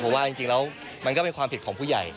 เพราะว่าจริงแล้วมันก็เป็นความผิดของผู้ใหญ่